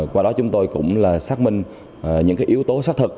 qua đó chúng tôi cũng xác minh những yếu tố xác thực